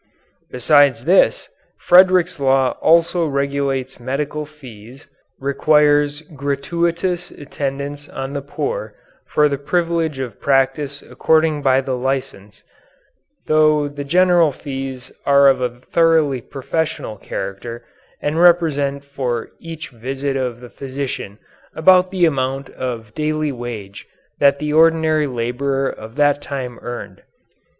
Besides this, Frederick's law also regulates medical fees, requires gratuitous attendance on the poor for the privilege of practice accorded by the license, though the general fees are of a thoroughly professional character and represent for each visit of the physician about the amount of daily wage that the ordinary laborer of that time earned.